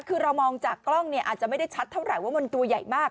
คือเรามองจากกล้องเนี่ยอาจจะไม่ได้ชัดเท่าไหร่ว่ามันตัวใหญ่มาก